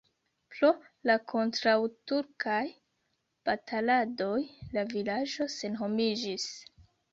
Pro la kontraŭturkaj bataladoj la vilaĝo senhomiĝis.